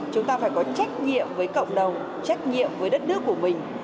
chúng ta phải có trách nhiệm với cộng đồng trách nhiệm với đất nước của mình